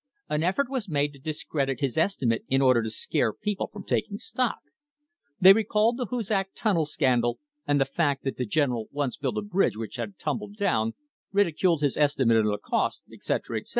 An effort was made to discredit his estimate in order to scare people from taking stock. They recalled the Hoosac Tunnel scandal and the fact that the General once built a bridge which had tumbled down, ridi culed his estimate of the cost, etc., etc.